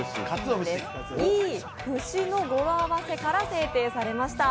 いいふしの語呂合わせから制定されました。